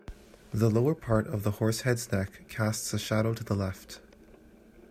The lower part of the Horsehead's neck casts a shadow to the left.